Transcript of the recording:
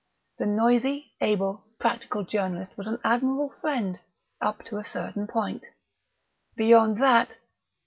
The noisy, able, practical journalist was an admirable friend up to a certain point; beyond that